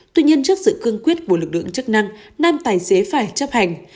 tuy nhiên trước sự cương quyết của lực lượng chức năng nam tài xế phải chấp hành